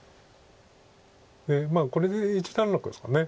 でこれで一段落ですか。